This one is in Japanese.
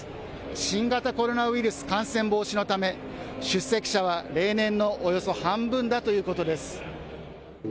新型コロナウイルス感染防止のため、出席者は例年のおよそ半分だということです。